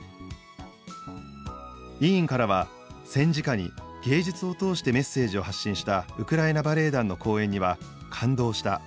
委員からは「戦時下に芸術を通してメッセージを発信したウクライナバレエ団の公演には感動した」。